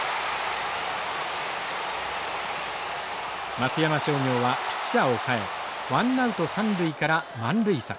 松山商業はピッチャーを代えワンナウト三塁から満塁策。